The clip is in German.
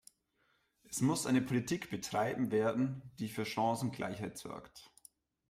Es muss eine Politik betreiben werden, die für Chancengleichheit sorgt.